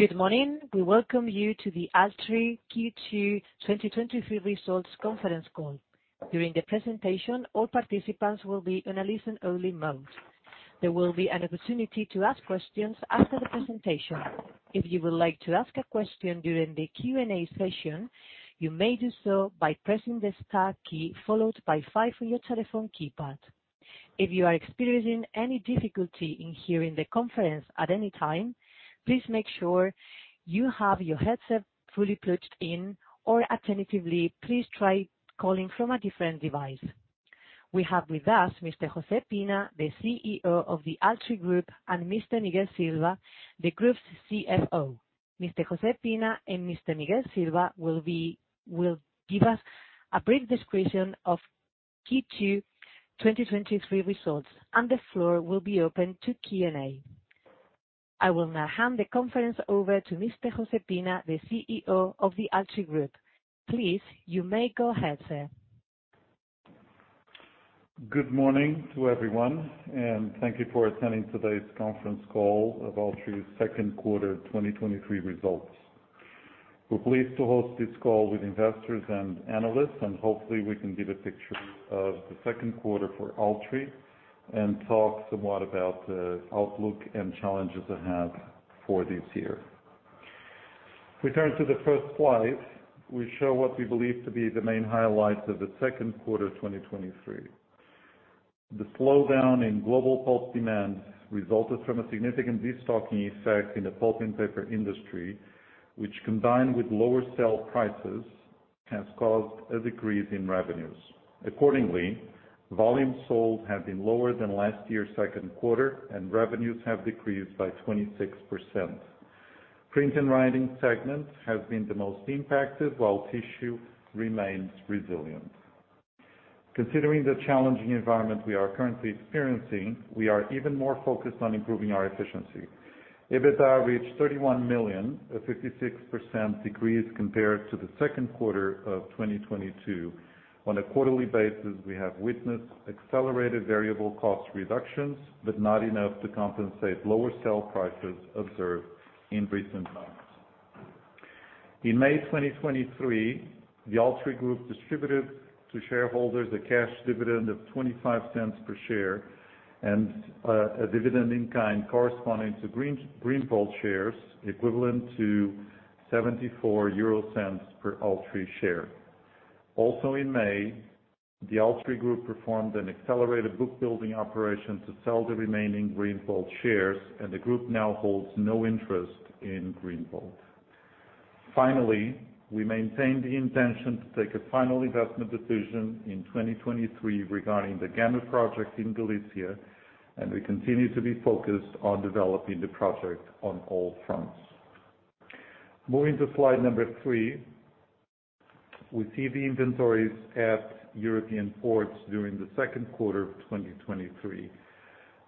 Good morning. We welcome you to the Altri Q2 2023 Results Conference Call. During the presentation, all participants will be on a listen-only mode. There will be an opportunity to ask questions after the presentation. If you would like to ask a question during the Q&A session, you may do so by pressing the star key, followed by five on your telephone keypad. If you are experiencing any difficulty in hearing the conference at any time, please make sure you have your headset fully plugged in, or alternatively, please try calling from a different device. We have with us Mr. José Pina, the CEO of the Altri Group, and Mr. Miguel Silva, the group's CFO. Mr. José Pina and Mr. Miguel Silva will give us a brief description of Q2 2023 results, and the floor will be open to Q&A. I will now hand the conference over to Mr. José Pina, the CEO of the Altri Group. Please, you may go ahead, sir. Good morning to everyone, thank you for attending today's Conference Call of Altri's Second Quarter 2023 Results. We're pleased to host this call with investors and analysts, and hopefully we can give a picture of the second quarter for Altri and talk somewhat about the outlook and challenges ahead for this year. If we turn to the first slide, we show what we believe to be the main highlights of the second quarter 2023. The slowdown in global pulp demand resulted from a significant destocking effect in the pulp and paper industry, which, combined with lower sale prices, has caused a decrease in revenues. Accordingly, volumes sold have been lower than last year's second quarter, and revenues have decreased by 26%. Printing and writing segments have been the most impacted, while Tissue remains resilient. Considering the challenging environment we are currently experiencing, we are even more focused on improving our efficiency. EBITDA reached 31 million, a 56% decrease compared to the second quarter of 2022. On a quarterly basis, we have witnessed accelerated variable cost reductions, not enough to compensate lower sale prices observed in recent months. In May 2023, the Altri Group distributed to shareholders a cash dividend of 0.25 per share and a dividend in kind corresponding to Greenvolt shares, equivalent to 0.74 per Altri share. Also in May, the Altri Group performed an accelerated bookbuilding operation to sell the remaining Greenvolt shares, and the group now holds no interest in Greenvolt. Finally, we maintain the intention to take a final investment decision in 2023 regarding the Gama project in Galicia. We continue to be focused on developing the project on all fronts. Moving to Slide 3, we see the inventories at European ports during the 2Q of 2023,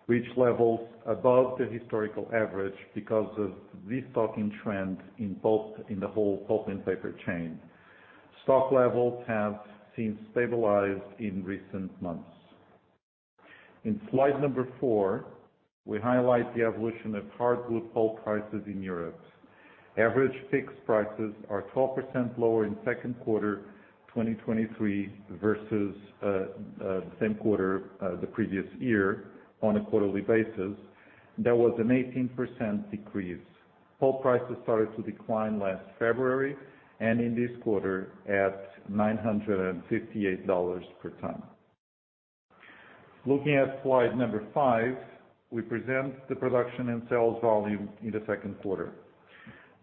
which levels above the historical average because of destocking trend in pulp in the whole pulp and paper chain. Stock levels have since stabilized in recent months. In Slide 4, we highlight the evolution of hardwood pulp prices in Europe. Average fixed prices are 12% lower in 2Q 2023 versus the same quarter the previous year on a quarterly basis. There was an 18% decrease. Pulp prices started to decline last February and end this quarter at $958 per ton. Looking at Slide 5, we present the production and sales volume in the second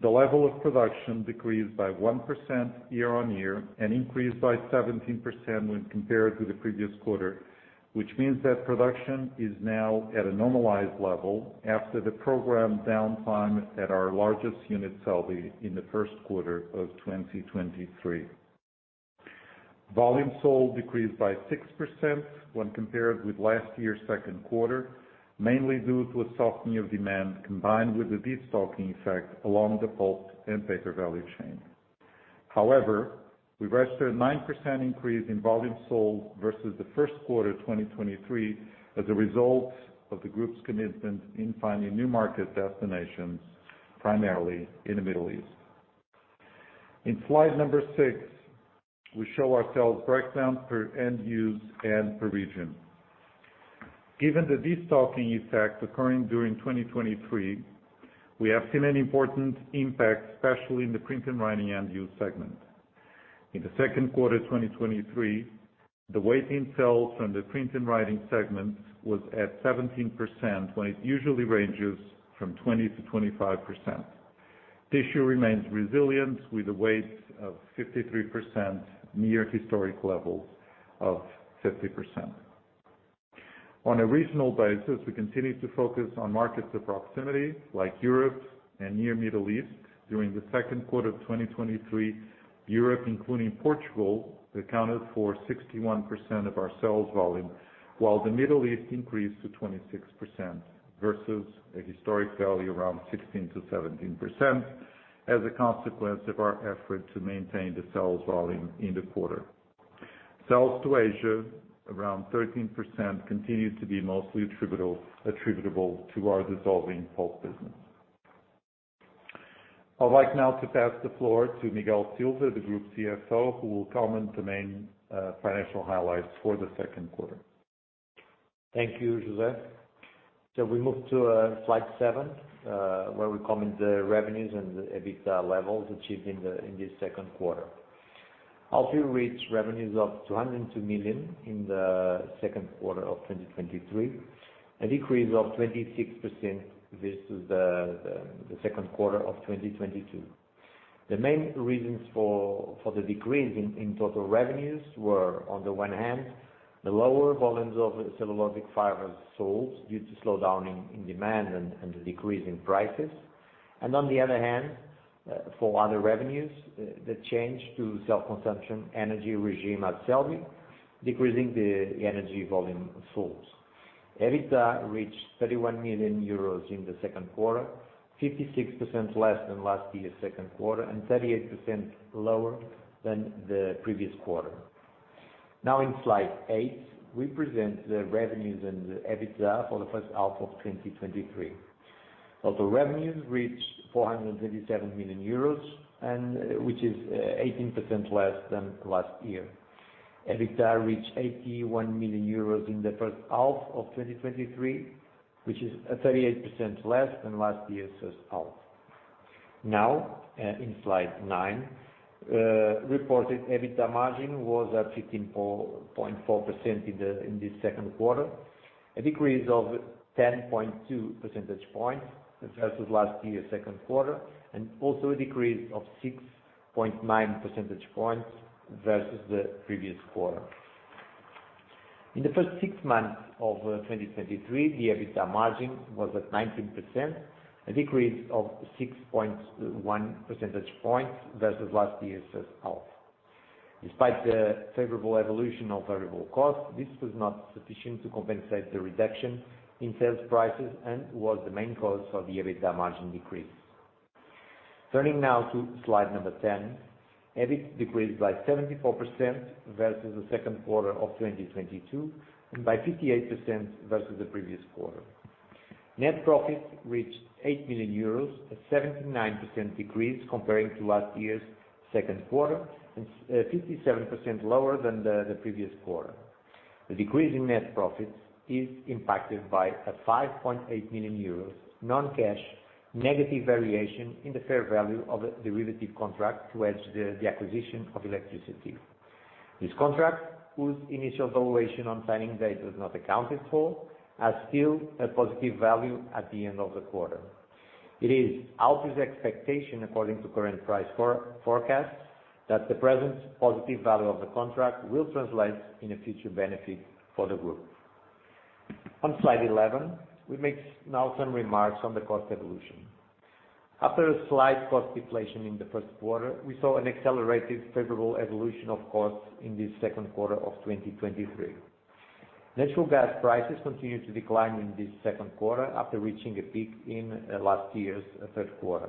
quarter. The level of production decreased by 1% year-on-year and increased by 17% when compared to the previous quarter, which means that production is now at a normalized level after the programmed downtime at our largest unit, Celbi, in the first quarter of 2023. Volume sold decreased by 6% when compared with last year's second quarter, mainly due to a softening of demand, combined with a destocking effect along the pulp and paper value chain. However, we registered a 9% increase in volume sold versus the first quarter 2023 as a result of the group's commitment in finding new market destinations, primarily in the Middle East. In Slide 6, we show our sales breakdown per end use and per region. Given the destocking effect occurring during 2023, we have seen an important impact, especially in the printing and writing end-use segment. In the second quarter, 2023, the weight in sales from the printing and writing segment was at 17%, when it usually ranges from 20%-25%. Tissue remains resilient, with a weight of 53% near historic levels of 50%. On a regional basis, we continue to focus on markets of proximity, like Europe and near Middle East. During the second quarter of 2023, Europe, including Portugal, accounted for 61% of our sales volume, while the Middle East increased to 26% versus a historic value around 16%-17% as a consequence of our effort to maintain the sales volume in the quarter. Sales to Asia, around 13%, continue to be mostly attributable, attributable to our dissolving pulp business. I'd like now to pass the floor to Miguel Silva, the group's CFO, who will comment the main financial highlights for the second quarter. Thank you, José. We move to Slide 7, where we comment the revenues and the EBITDA levels achieved in the second quarter. Altri reached revenues of 202 million in the second quarter of 2023, a decrease of 26% versus the second quarter of 2022. The main reasons for the decrease in total revenues were, on the one hand, the lower volumes of cellulosic fibers sold due to slowdown in demand and the decrease in prices. On the other hand, for other revenues, the change to self-consumption energy regime at Celbi, decreasing the energy volume sold. EBITDA reached 31 million euros in the second quarter, 56% less than last year's second quarter, and 38% lower than the previous quarter. Now, in Slide 8, we present the revenues and the EBITDA for the first half of 2023. Total revenues reached 437 million euros, 18% less than last year. EBITDA reached 81 million euros in the first half of 2023, which is 38% less than last year's first half. Now, in slide 9, reported EBITDA margin was at 15.4% in the second quarter, a decrease of 10.2 percentage points versus last year's second quarter, a decrease of 6.9 percentage points versus the previous quarter. In the first six months of 2023, the EBITDA margin was at 19%, a decrease of 6.1 percentage points versus last year's first half. Despite the favorable evolution of variable costs, this was not sufficient to compensate the reduction in sales prices and was the main cause of the EBITDA margin decrease. Turning now to Slide 10, EBIT decreased by 74% versus the second quarter of 2022, and by 58% versus the previous quarter. Net profit reached 8 million euros, a 79% decrease comparing to last year's second quarter, and 57% lower than the previous quarter. The decrease in net profits is impacted by a 5.8 million euro non-cash negative variation in the fair value of a derivative contract to hedge the acquisition of electricity. This contract, whose initial valuation on signing date was not accounted for, has still a positive value at the end of the quarter. It is Altri's expectation, according to current price forecast, that the present positive value of the contract will translate in a future benefit for the group. On Slide 11, we make now some remarks on the cost evolution. After a slight cost deflation in the first quarter, we saw an accelerated favorable evolution of costs in the second quarter of 2023. Natural gas prices continued to decline in this second quarter, after reaching a peak in last year's third quarter.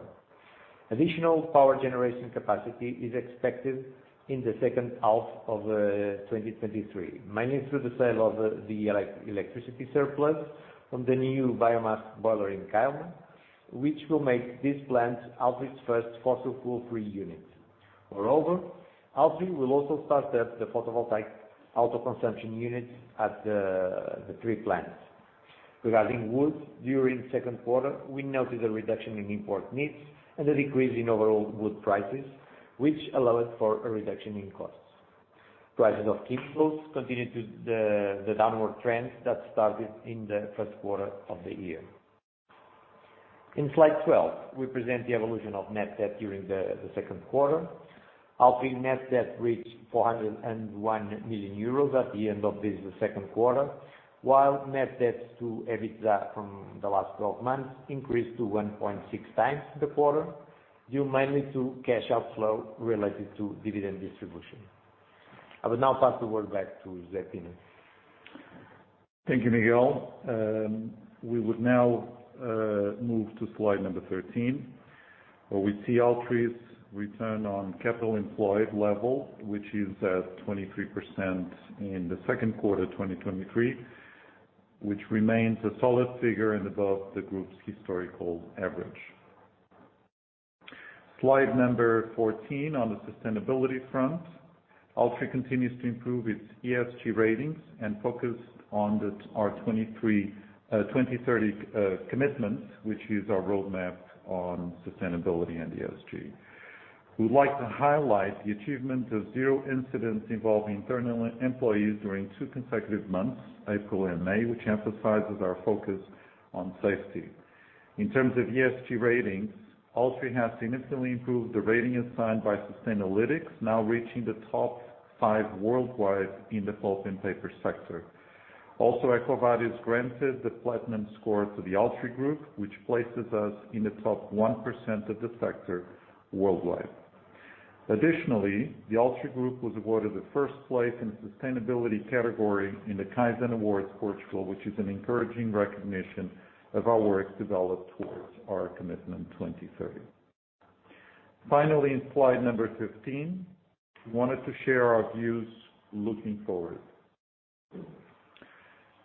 Additional power generation capacity is expected in the second half of 2023, mainly through the sale of the electricity surplus from the new biomass boiler in Caima, which will make this plant Altri's first fossil fuel-free unit. Moreover, Altri will also start up the photovoltaic auto consumption units at the three plants. Regarding wood, during second quarter, we noted a reduction in import needs and a decrease in overall wood prices, which allowed for a reduction in costs. Prices of chemicals continued the downward trend that started in the first quarter of the year. In slide 12, we present the evolution of net debt during the second quarter. Altri net debt reached 401 million euros at the end of this second quarter, while net debt to EBITDA from the last 12 months increased to 1.6x the quarter, due mainly to cash outflow related to dividend distribution. I will now pass the word back to Jose Pina. Thank you, Miguel. We would now move to Slide 13, where we see Altri's return on capital employed level, which is at 23% in the second quarter of 2023, which remains a solid figure and above the group's historical average. Slide 14, on the sustainability front, Altri continues to improve its ESG ratings and focus on our 2030 Commitment, which is our roadmap on sustainability and ESG. We'd like to highlight the achievement of 0 incidents involving internal employees during two consecutive months, April and May, which emphasizes our focus on safety. In terms of ESG ratings, Altri has significantly improved the rating assigned by Sustainalytics, now reaching the Top 5 worldwide in the pulp and paper sector. EcoVadis granted the Platinum medal to the Altri Group, which places us in the top 1% of the sector worldwide. Additionally, the Altri Group was awarded the first place in sustainability category in the KAIZEN Award Portugal, which is an encouraging recognition of our work developed towards our 2030 Commitment. Finally, in Slide 15, we wanted to share our views looking forward.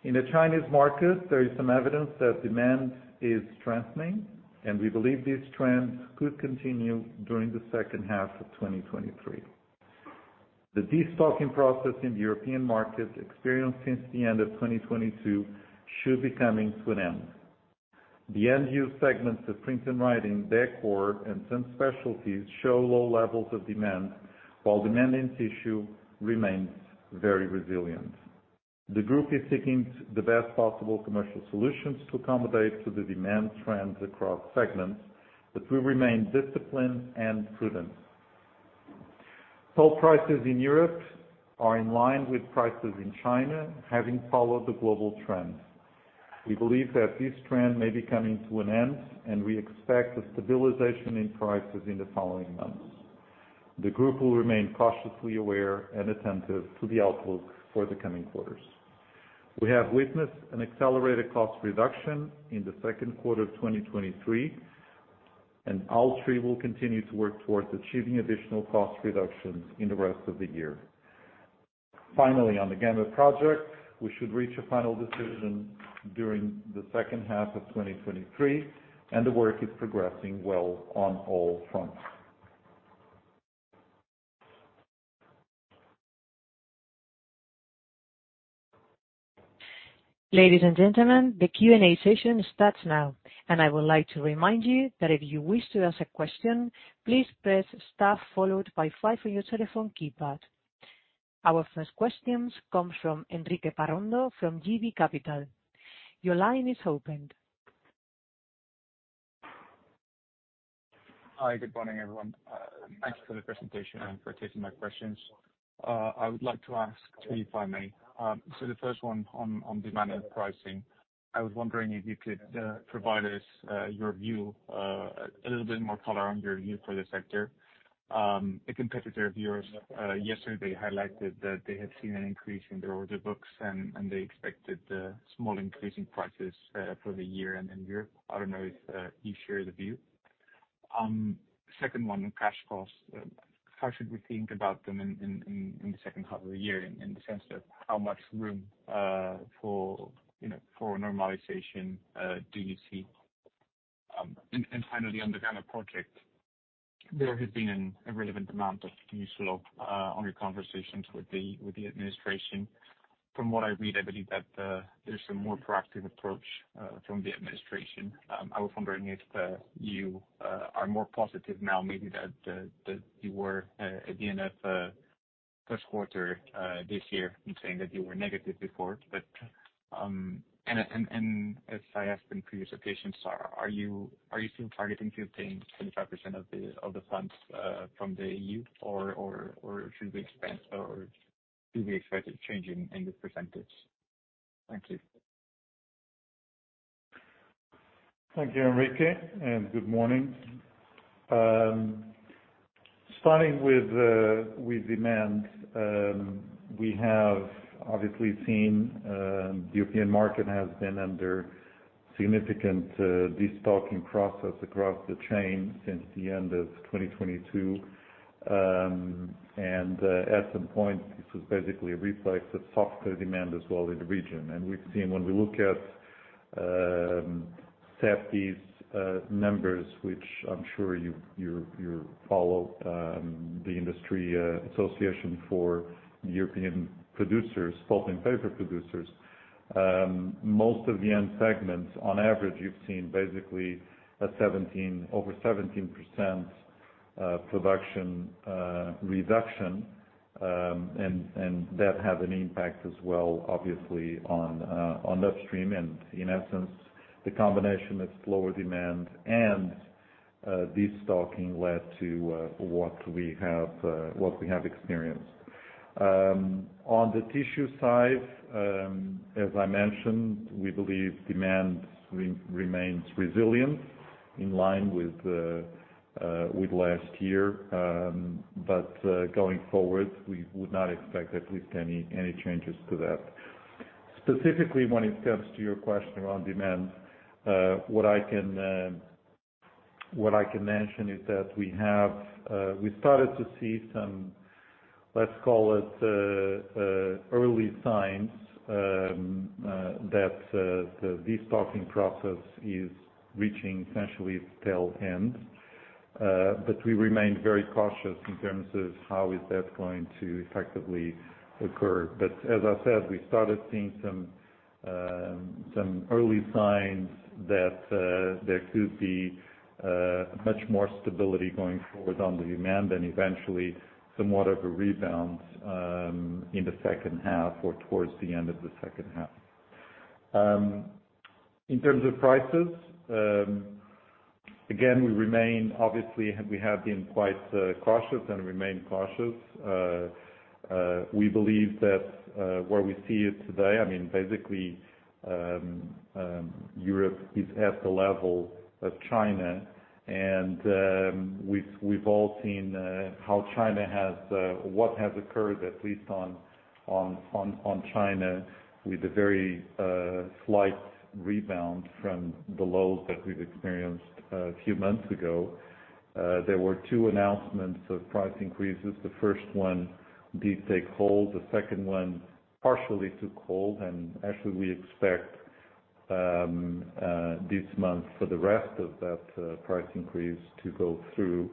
In the Chinese market, there is some evidence that demand is strengthening, and we believe these trends could continue during the second half of 2023. The destocking process in the European market experienced since the end of 2022 should be coming to an end. The end-use segments of printing and writing, Decor, and some specialties show low levels of demand, while demand in Tissue remains very resilient. The group is seeking the best possible commercial solutions to accommodate to the demand trends across segments, but we remain disciplined and prudent. Pulp prices in Europe are in line with prices in China, having followed the global trend. We believe that this trend may be coming to an end, and we expect a stabilization in prices in the following months. The group will remain cautiously aware and attentive to the outlook for the coming quarters. We have witnessed an accelerated cost reduction in the second quarter of 2023, and Altri will continue to work towards achieving additional cost reductions in the rest of the year. Finally, on the Gama project, we should reach a final decision during the second half of 2023, and the work is progressing well on all fronts. Ladies and gentlemen, the Q&A session starts now, and I would like to remind you that if you wish to ask a question, please press Star followed by 5 on your telephone keypad. Our first questions comes from Enrique Parrondo, from JB Capital. Your line is opened. Hi, good morning, everyone. Thank you for the presentation and for taking my questions. I would like to ask three, if I may. The first one on, on demand and pricing. I was wondering if you could provide us your view, a little bit more color on your view for the sector. A competitor of yours yesterday highlighted that they had seen an increase in their order books, and, and they expected a small increase in prices for the year and in Europe. I don't know if you share the view. Second one, cash costs. How should we think about them in the second half of the year, in the sense of how much room for, you know, for normalization, do you see? Finally, on the Gama project, there has been a relevant amount of news flow on your conversations with the administration. From what I read, I believe that there's a more proactive approach from the administration. I was wondering if you are more positive now, maybe that that you were at the end of first quarter this year in saying that you were negative before. As I asked in previous occasions, are you still targeting to obtain 25% of the funds from the EU? Or should we expect a change in this percentage? Thank you. Thank you, Enrique, and good morning. Starting with, with demand, we have obviously seen, the European market has been under significant destocking process across the chain since the end of 2022. At some point, this was basically a reflex of softer demand as well in the region. We've seen when we look at, CEPI's numbers, which I'm sure you, you, you follow, the industry association for European producers, pulp and paper producers. Most of the end segments, on average, you've seen basically over 17% production reduction, and that had an impact as well, obviously on upstream. In essence, the combination of slower demand and destocking led to what we have, what we have experienced. On the Tissue side, as I mentioned, we believe demand remains resilient in line with last year. Going forward, we would not expect at least any, any changes to that. Specifically, when it comes to your question around demand, what I can, what I can mention is that we have, we started to see some, let's call it, early signs, that the destocking process is reaching essentially its tail end. We remain very cautious in terms of how is that going to effectively occur. As I said, we started seeing some, some early signs that there could be much more stability going forward on the demand and eventually somewhat of a rebound, in the second half or towards the end of the second half. In terms of prices, again, we remain obviously, we have been quite cautious and remain cautious. We believe that where we see it today, basically, Europe is at the level of China, and we've all seen how China has what has occurred, at least on China, with a very slight rebound from the lows that we've experienced a few months ago. There were two announcements of price increases. The first one did take hold, the second one partially took hold, and actually we expect this month for the rest of that price increase to go through.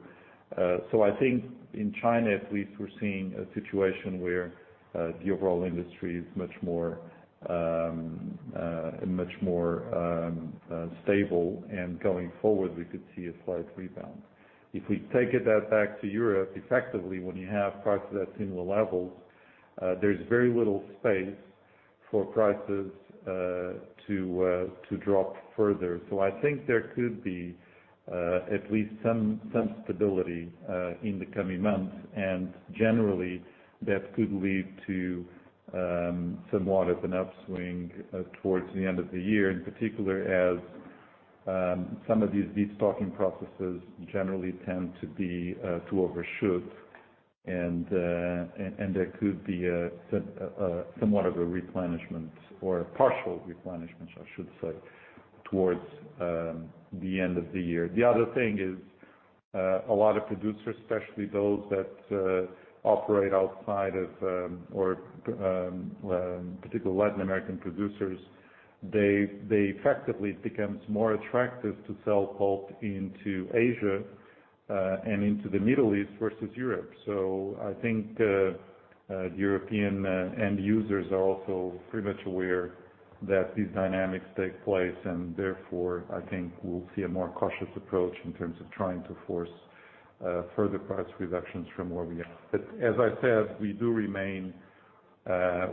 Uh, so I think in China, at least, we're seeing a situation where, uh, the overall industry is much more, um, uh, much more, um, uh, stable, and going forward, we could see a slight rebound. If we take that back to Europe, effectively, when you have prices at similar levels, uh, there's very little space for prices, uh, to, uh, to drop further. So I think there could be, uh, at least some, some stability, uh, in the coming months. And generally, that could lead to, um, somewhat of an upswing, uh, towards the end of the year. In particular, as, um, some of these destocking processes generally tend to be, uh, to overshoot. And, uh, and, and there could be a, uh, somewhat of a replenishment or a partial replenishment, I should say, towards, um, the end of the year. The other thing is, a lot of producers, especially those that operate outside of, or particularly Latin American producers, they, they effectively becomes more attractive to sell pulp into Asia, and into the Middle East versus Europe. I think European end users are also pretty much aware that these dynamics take place, and therefore, I think we'll see a more cautious approach in terms of trying to force further price reductions from where we are. As I said, we do remain.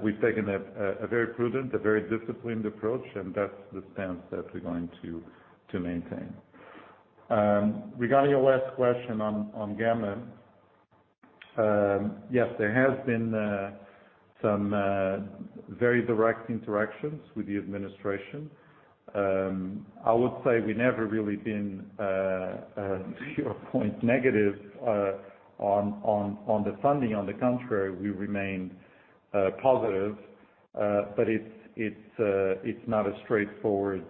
We've taken a very prudent, a very disciplined approach, and that's the stance that we're going to maintain. Regarding your last question on Gama. Yes, there has been some very direct interactions with the administration. I would say we've never really been to your point, negative on, on, on the funding. On the contrary, we remain positive. It's not a straightforward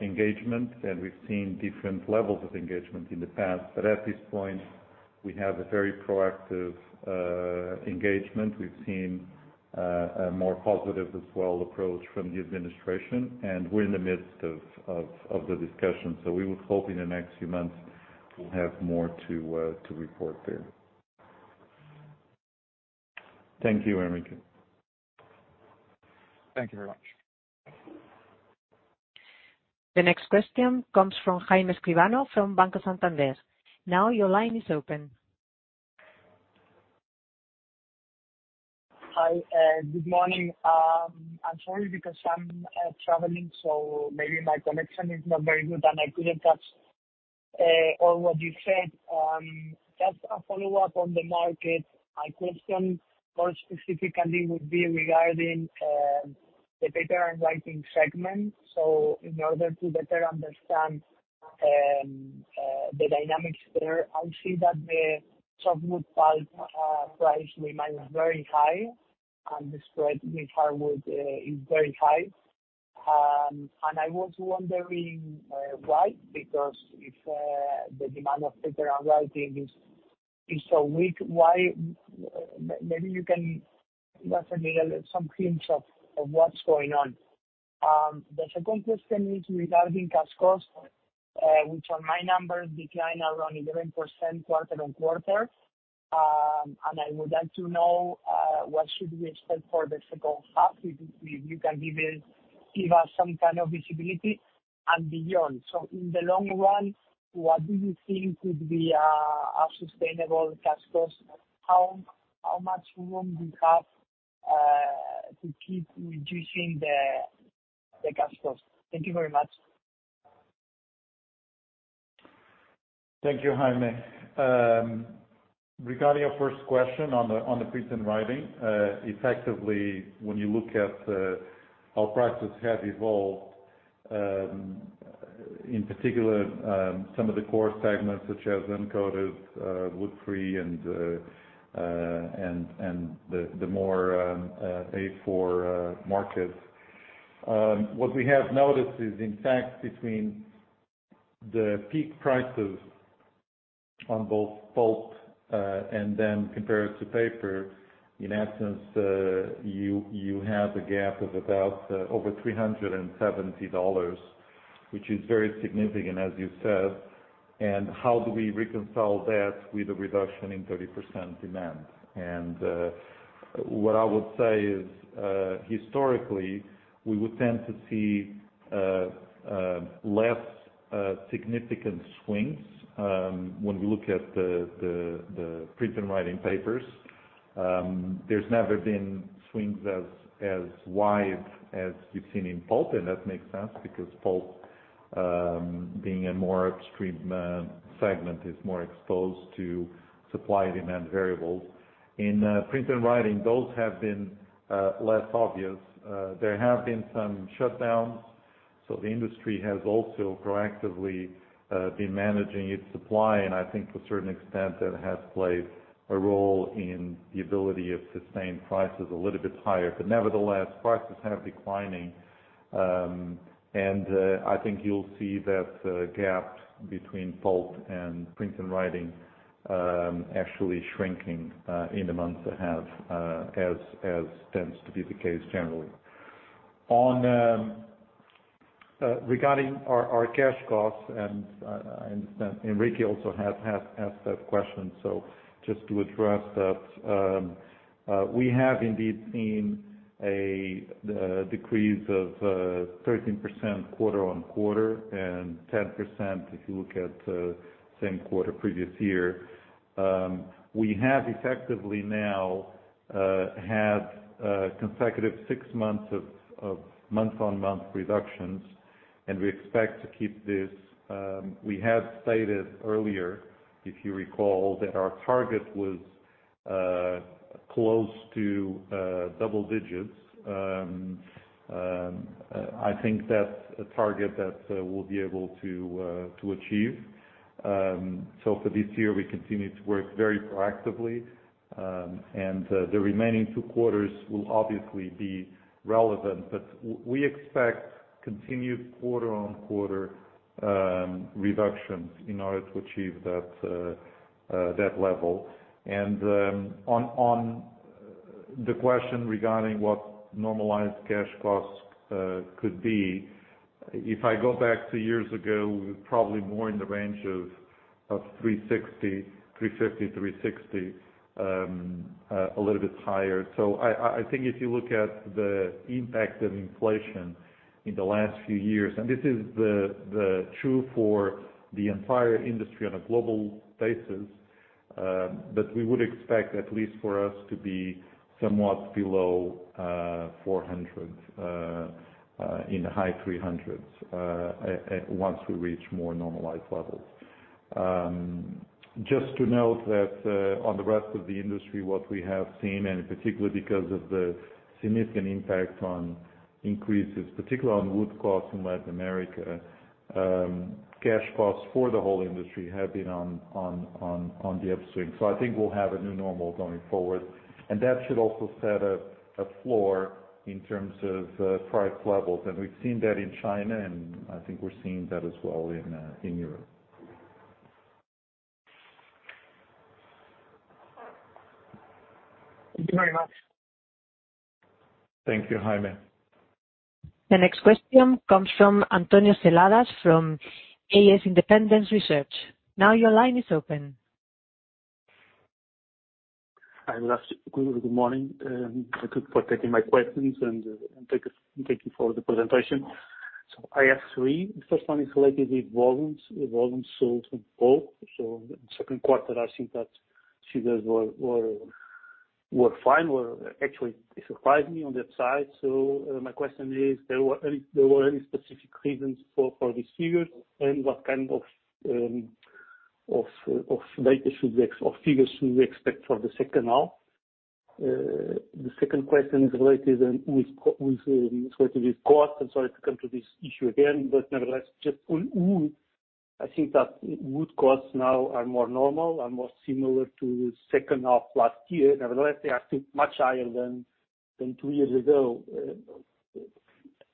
engagement, and we've seen different levels of engagement in the past. At this point, we have a very proactive engagement. We've seen a more positive as well, approach from the administration, and we're in the midst of the discussion. We would hope in the next few months, we'll have more to report there. Thank you, Enrique. Thank you very much. The next question comes from Jaime Escribano from Banco Santander. Now, your line is open. Hi, good morning. I'm sorry, because I'm traveling, so maybe my connection is not very good, and I couldn't catch all what you said. Just a follow-up on the market. My question more specifically would be regarding the printing and writing segment. In order to better understand the dynamics there, I see that the softwood pulp price remains very high and the spread with hardwood is very high. And I was wondering why? Because if the demand of printing and writing is so weak, maybe you can give us a little, some hints of what's going on. The second question is regarding cash cost, which on my numbers declined around 11% quarter-over-quarter. I would like to know, what should we expect for the second half? If, if you can give us some kind of visibility and beyond. In the long run, what do you think could be a sustainable cash cost? How, how much room do you have to keep reducing the cash costs? Thank you very much. Thank you, Jaime. Regarding your first question on the printing and writing. Effectively, when you look at how prices have evolved, in particular, some of the core segments such as uncoated woodfree, and the more A4 markets. What we have noticed is, in fact, between the peak prices on both pulp and then compared to paper, in essence, you have a gap of about over $370, which is very significant, as you said. How do we reconcile that with a reduction in 30% demand? What I would say is, historically, we would tend to see less significant swings when we look at the printing and writing papers. There's never been swings as, as wide as you've seen in pulp, and that makes sense because pulp, being a more extreme, segment, is more exposed to supply-demand variables. In printing and writing, those have been less obvious. There have been some shutdowns, so the industry has also proactively been managing its supply, and I think to a certain extent, that has played a role in the ability to sustain prices a little bit higher. But nevertheless, prices have declining, and I think you'll see that gap between pulp and printing and writing, actually shrinking, in the months that have, as, as tends to be the case generally. On regarding our, our cash costs, and I understand, and Enrique also has, has asked that question, so just to address that. We have indeed seen the decrease of 13% quarter-on-quarter, and 10% if you look at same quarter previous year. We have effectively now had a consecutive six months of month-on-month reductions, and we expect to keep this. We have stated earlier, if you recall, that our target was close to double digits. I think that's a target that we'll be able to achieve. For this year, we continue to work very proactively, and the remaining two quarters will obviously be relevant. We expect continued quarter-on-quarter reductions in order to achieve that level. On the question regarding what normalized cash costs could be, if I go back two years ago, probably more in the range of 360, 350, 360, a little bit higher. I think if you look at the impact of inflation in the last few years, and this is the true for the entire industry on a global basis, but we would expect, at least for us, to be somewhat below 400, in the high EUR 300s, once we reach more normalized levels. Just to note that on the rest of the industry, what we have seen, and in particular because of the significant impact on increases, particularly on wood costs in Latin America, cash costs for the whole industry have been on the upswing. I think we'll have a new normal going forward, and that should also set a floor in terms of price levels. We've seen that in China, and I think we're seeing that as well in Europe. Thank you very much. Thank you, Jaime. The next question comes from Antonio Seladas, from AS Independent Research. Now your line is open. Hi, good morning. Thank you for taking my questions, and thank you for the presentation. I have three. The first one is related with volumes, with volumes sold in bulk. In the second quarter, I think that figures were fine, actually it surprised me on that side. My question is, there were any, there were any specific reasons for these figures? What kind of data should we or figures should we expect for the second half? The second question is related with costs, and sorry to come to this issue again, but nevertheless, just on wood. I think that wood costs now are more normal and more similar to the second half last year. Nevertheless, they are still much higher than two years ago.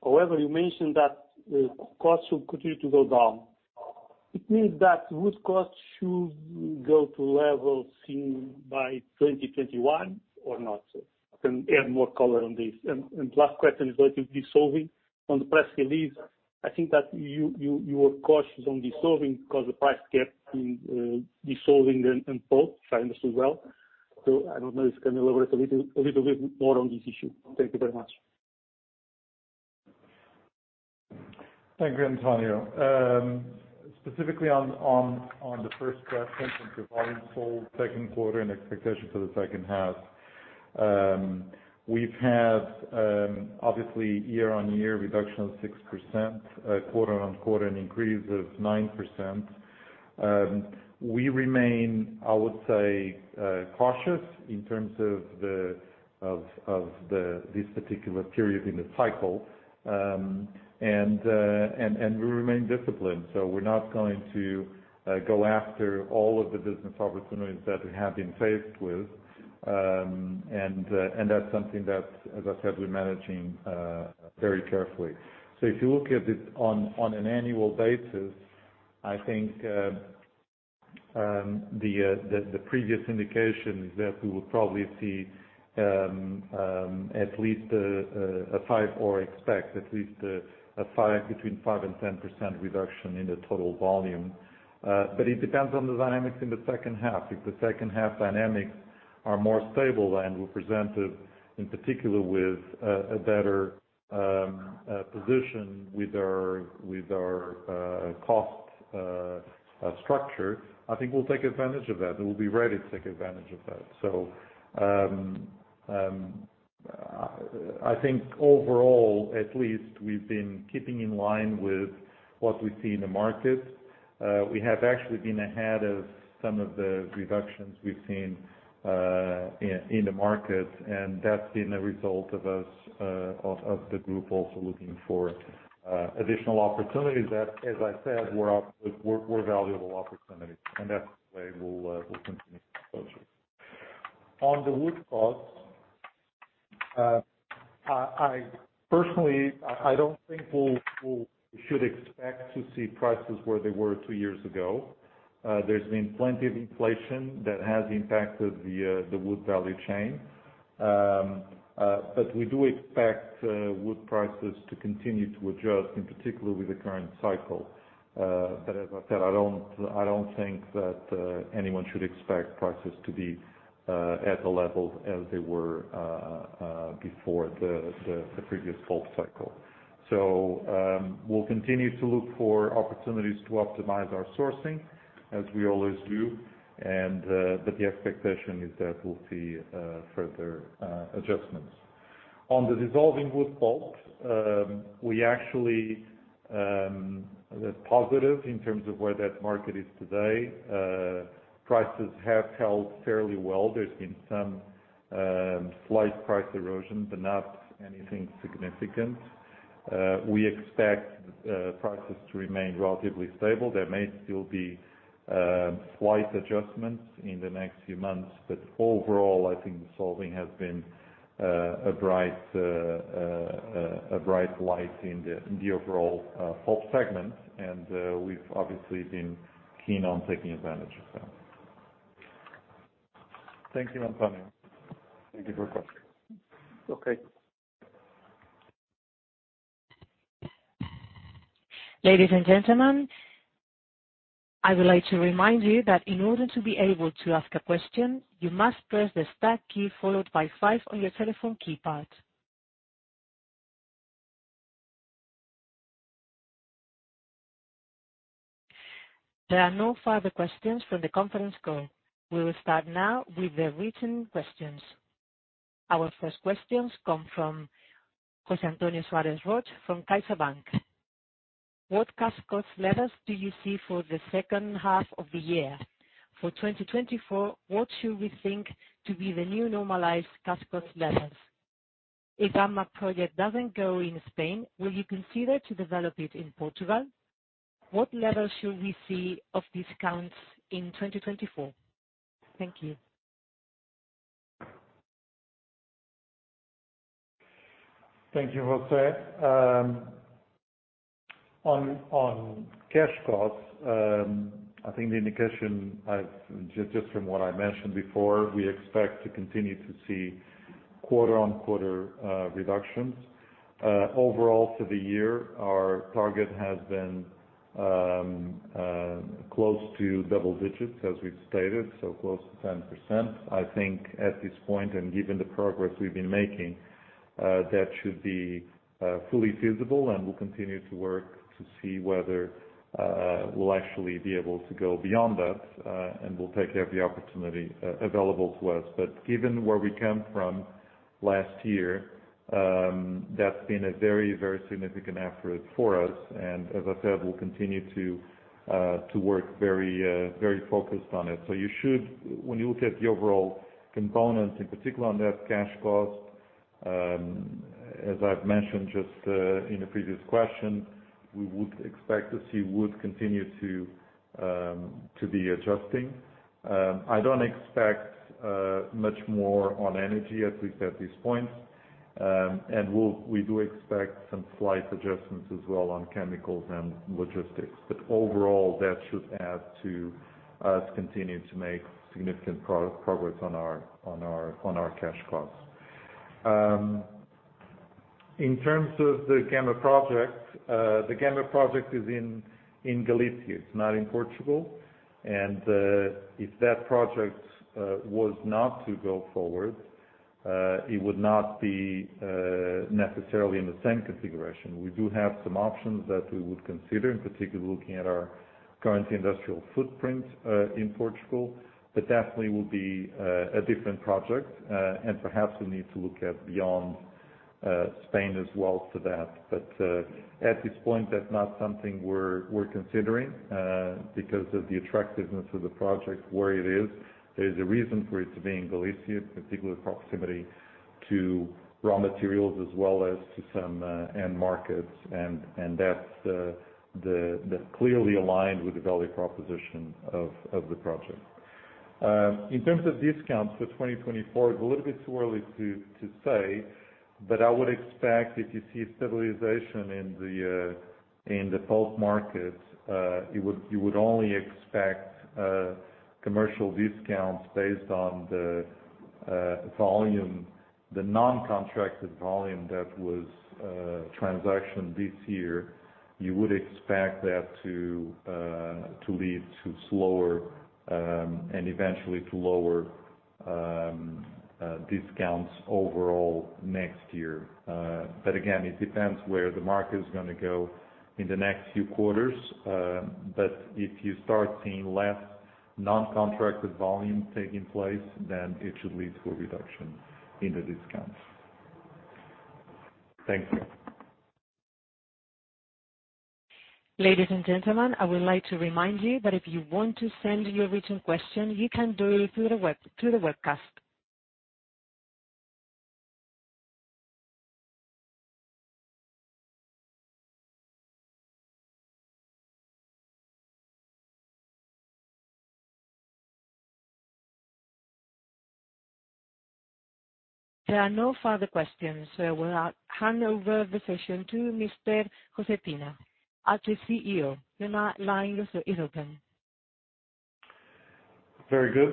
However, you mentioned that costs will continue to go down. It means that wood costs should go to levels seen by 2021 or not? Can you add more color on this? Last question is related to dissolving. On the press release, I think that you were cautious on dissolving because the price gap in dissolving and both, if I understood well. I don't know if you can elaborate a little bit more on this issue. Thank you very much. Thank you, Antonio. Specifically on the first question, into volume sold second quarter and expectation for the second half. We've had, obviously, year-on-year reduction of 6%, quarter-on-quarter, an increase of 9%. We remain, I would say, cautious in terms of this particular period in the cycle. We remain disciplined, so we're not going to go after all of the business opportunities that we have been faced with. That's something that, as I said, we're managing very carefully. If you look at it on, on an annual basis, I think the previous indication is that we will probably see at least a five, or expect at least a five, between 5% and 10% reduction in the total volume. It depends on the dynamics in the second half. If the second half dynamics are more stable than we presented, in particular with a better position with our, with our cost structure, I think we'll take advantage of that, and we'll be ready to take advantage of that. I think overall at least we've been keeping in line with what we see in the market. We have actually been ahead of some of the reductions we've seen in the market. That's been a result of us, of the group also looking for additional opportunities that, as I said, were valuable opportunities, and that's the way we'll continue to approach it. On the wood costs... I personally don't think we'll should expect to see prices where they were two years ago. There's been plenty of inflation that has impacted the wood value chain. We do expect wood prices to continue to adjust, in particular with the current cycle. As I said, I don't, I don't think that anyone should expect prices to be at the level as they were before the previous pulp cycle. We'll continue to look for opportunities to optimize our sourcing, as we always do, but the expectation is that we'll see further adjustments. On the dissolving wood pulp, we actually positive in terms of where that market is today. Prices have held fairly well. There's been some slight price erosion, but not anything significant. We expect prices to remain relatively stable. There may still be slight adjustments in the next few months, but overall, I think dissolving has been a bright, a bright light in the overall pulp segment. We've obviously been keen on taking advantage of that. Thank you, Antonio. Thank you for your question. Okay. Ladies and gentlemen, I would like to remind you that in order to be able to ask a question, you must press the star key followed by five on your telephone keypad. There are no further questions from the conference call. We will start now with the written questions. Our first questions come from Jose Antonio Suarez Roig from CaixaBank. What cash cost levels do you see for the second half of the year? For 2024, what should we think to be the new normalized cash cost levels? If Gama project doesn't go in Spain, will you consider to develop it in Portugal? What level should we see of discounts in 2024? Thank you. Thank you, José. On cash costs, I think the indication just, just from what I mentioned before, we expect to continue to see quarter-on-quarter reductions. Overall, for the year, our target has been close to double digits, as we've stated, so close to 10%. I think at this point, and given the progress we've been making, that should be fully feasible, and we'll continue to work to see whether we'll actually be able to go beyond that, and we'll take every opportunity available to us. Given where we come from last year, that's been a very, very significant effort for us. As I said, we'll continue to work very, very focused on it. You should... When you look at the overall components, in particular on that cash cost, as I've mentioned, just in the previous question, we would expect to see wood continue to be adjusting. I don't expect much more on energy, at least at this point. We do expect some slight adjustments as well on chemicals and logistics, but overall, that should add to us continuing to make significant progress on our cash costs. In terms of the Gama project, the Gama project is in Galicia. It's not in Portugal. If that project was not to go forward, it would not be necessarily in the same configuration. We do have some options that we would consider, in particular, looking at our current industrial footprint, in Portugal, but definitely will be a different project. Perhaps we need to look at beyond Spain as well for that. At this point, that's not something we're considering, because of the attractiveness of the project where it is. There's a reason for it to be in Galicia, particular proximity to raw materials as well as to some end markets. That's clearly aligned with the value proposition of the project. In terms of discounts for 2024, it's a little bit too early to say, but I would expect if you see a stabilization in the pulp market, you would only expect commercial discounts based on the volume, the non-contracted volume that was transaction this year. You would expect that to lead to slower, and eventually to lower discounts overall next year. But again, it depends where the market is gonna go in the next few quarters. But if you start seeing less non-contracted volume taking place, then it should lead to a reduction in the discounts. Thank you. Ladies and gentlemen, I would like to remind you that if you want to send your written question, you can do it through the web, to the webcast. There are no further questions. We'll hand over the session to Mr. José Pina, our CEO. Your line is open. Very good.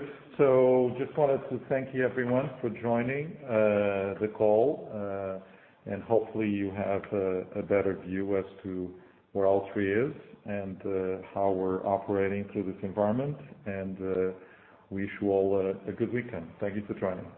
Just wanted to thank you everyone for joining the call. Hopefully, you have a better view as to where Altri is and how we're operating through this environment. We wish you all a good weekend. Thank you for joining.